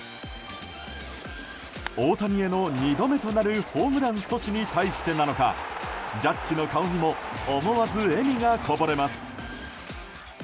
大谷への２度目となるホームラン阻止に対してなのかジャッジの顔にも思わず笑みがこぼれます。